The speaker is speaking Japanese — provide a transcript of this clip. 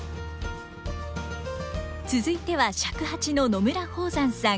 続いては尺八の野村峰山さん。